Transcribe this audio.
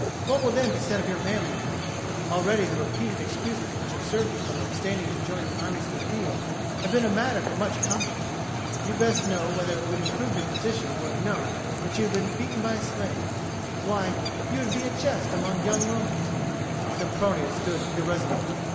What will then be said of your manliness? Already the repeated excuses which have served you from abstaining to join the armies in the field have been a matter for much comment. You best know whether it would improve your position were it known that you had been beaten by a slave. Why, you would be a jest among young Romans." Sempronius stood irresolute.